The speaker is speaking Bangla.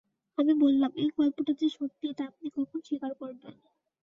আমি বললাম, এই গল্পটা যে সত্যি, এটা আপনি কখন স্বীকার করবেন?